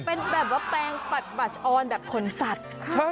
เป็นแบบว่าแปลงปัดบัชออนแบบขนสัตว์